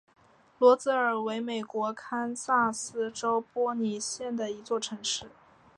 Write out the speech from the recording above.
罗泽尔为美国堪萨斯州波尼县的一座城市。